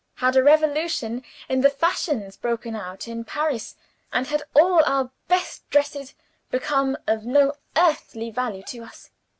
Had a revolution in the fashions broken out in Paris, and had all our best dresses become of no earthly value to us?